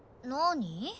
なに？